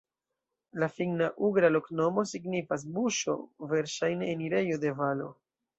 La finna-ugra loknomo signifas: buŝo, verŝajne enirejo de valo.